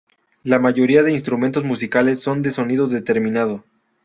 La mayoría de instrumentos musicales son de sonido determinado.